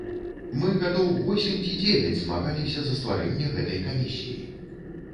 Мы гадоў восем ці дзевяць змагаліся за стварэнне гэтай камісіі.